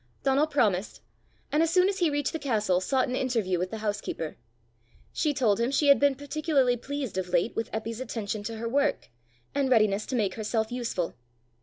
Donal promised, and as soon as he reached the castle sought an interview with the house keeper. She told him she had been particularly pleased of late with Eppy's attention to her work, and readiness to make herself useful.